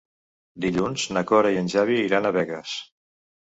Dilluns na Cora i en Xavi iran a Begues.